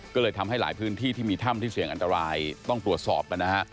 ก็เลยทำให้หลายพื้นที่ที่มีถ้ำที่เสี่ยงอันตรายต้องตรวจสอบกันนะฮะ